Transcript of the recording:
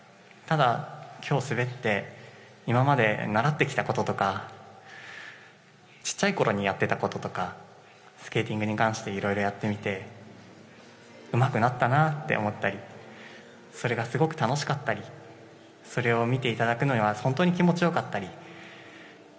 ただ、今日滑って今まで習ってきたこととかちっちゃいころにやってたこととかスケーティングに関していろいろやってみて上手くなったなと思ったりそれがすごく楽しかったりそれを見ていただくのが本当に気持ちよかったり。